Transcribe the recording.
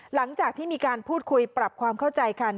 หลังจากที่มีการพูดคุยปรับความเข้าใจกัน